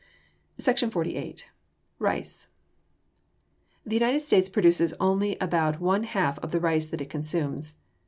SECTION XLVIII. RICE The United States produces only about one half of the rice that it consumes.